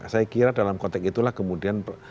saya kira dalam konteks itulah kemudian